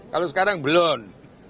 kalau sekarang belum